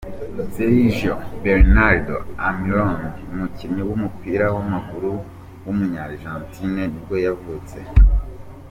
Sergio Bernardo Almirón, umukinnyi w’umupira w’amaguru w’umunya Argentine nibwo yavutse.